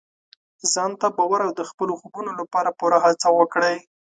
ځان ته باور او د خپلو خوبونو لپاره پوره هڅه وکړئ.